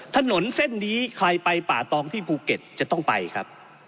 ถนนเส้นนี้ใครไปป่าตองที่ภูเก็ตจะต้องไปครับ